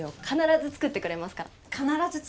必ず造ってくれますから。